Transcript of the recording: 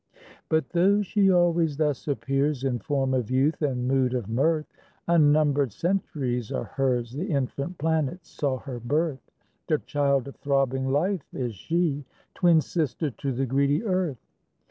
But though she always thus appears In form of youth and mood of mirth, Unnumbered centuries are hers, The infant planets saw her birth; The child of throbbing Life is she, Twin sister to the greedy earth.